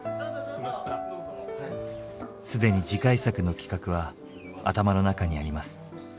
既に次回作の企画は頭の中にあります。